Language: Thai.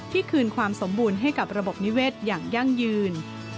คืนความสมบูรณ์ให้กับระบบนิเวศอย่างยั่งยืน